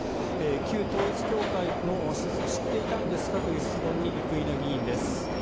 旧統一教会の施設と知っていたんですかという質問に生稲議員です。